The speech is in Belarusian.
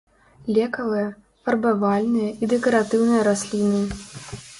Лекавыя, фарбавальныя і дэкаратыўныя расліны.